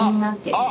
あっ！